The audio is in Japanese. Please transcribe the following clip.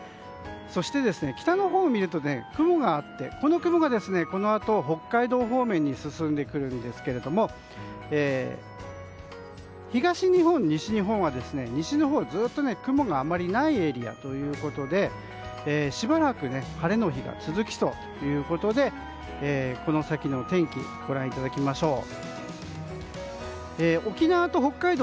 そして、北のほうを見ると雲があってこの雲が、このあと北海道方面に進んでくるんですが東日本、西日本は西のほうにずっと雲があまりないエリアということでしばらく晴れの日が続きそうということでこの先の天気ご覧いただきましょう。